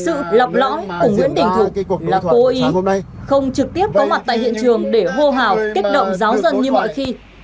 sự lập lõi của nguyễn đình thục là cố ý không trực tiếp có mặt tại hiện trường để hô hào kích động giáo dân như mọi khi